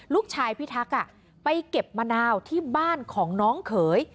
พิทักษ์ไปเก็บมะนาวที่บ้านของน้องเขย